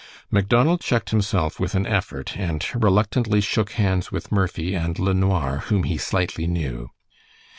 Macdonald checked himself with an effort and reluctantly shook hands with Murphy and LeNoir, whom he slightly knew.